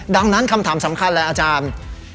ดังนั้นคำถามสำคัญเลยอาจารย์